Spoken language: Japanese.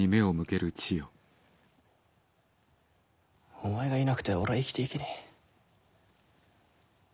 お前がいなくては俺は生きていけねぇ。